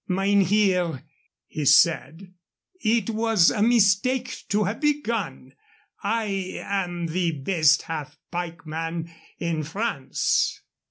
"Mynheer," he said, "it was a mistake to have begun. I am the best half pikeman in France."